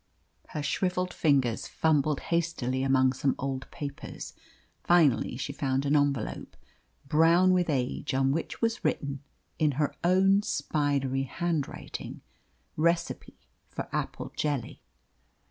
Her shrivelled fingers fumbled hastily among some old papers. Finally she found an envelope, brown with age, on which was written, in her own spidery handwriting, "Recipe for apple jelly."